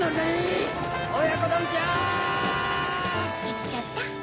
いっちゃった。